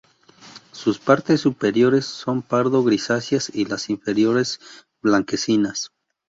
Sus partes superiores son pardo grisáceas y las inferiores blanquecinas.